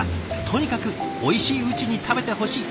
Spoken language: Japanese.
とにかくおいしいうちに食べてほしい。